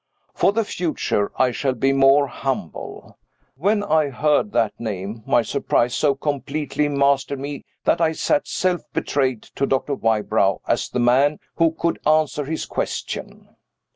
For the future I shall be more humble. When I heard that name, my surprise so completely mastered me that I sat self betrayed to Dr. Wybrow as the man who could answer his question.